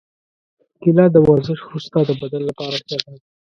کېله د ورزش وروسته د بدن لپاره ښه ده.